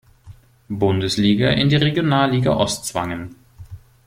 Bundesliga in die Regionalliga Ost zwangen.